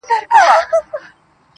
سپکاوی تر اندازې تېر سو د مړو!!